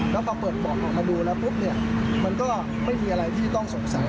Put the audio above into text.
แล้วพอเปิดกล่องออกมาดูแล้วปุ๊บเนี่ยมันก็ไม่มีอะไรที่ต้องสงสัย